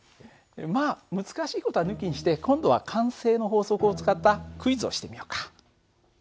まあ難しい事は抜きにして今度は慣性の法則を使ったクイズをしてみようか。